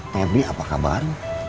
pebri apa kabar